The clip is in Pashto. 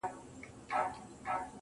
باران زما د کور له مخې څخه دوړې يوړې_